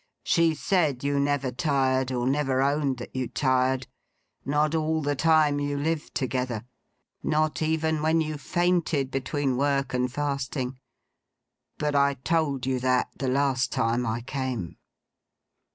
She said you never tired; or never owned that you tired. Not all the time you lived together. Not even when you fainted, between work and fasting. But I told you that, the last time I came.